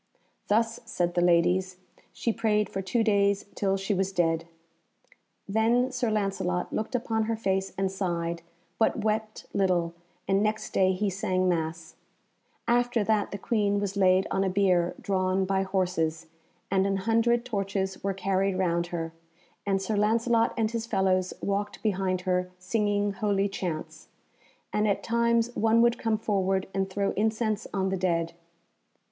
"Thus," said the ladies, "she prayed for two days till she was dead." Then Sir Lancelot looked upon her face and sighed, but wept little, and next day he sang Mass. After that the Queen was laid on a bier drawn by horses, and an hundred torches were carried round her, and Sir Lancelot and his fellows walked behind her singing holy chants, and at times one would come forward and throw incense on the dead.